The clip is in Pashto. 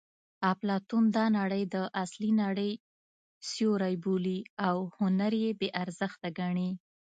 اپلاتون دا نړۍ د اصلي نړۍ سیوری بولي او هنر یې بې ارزښته ګڼي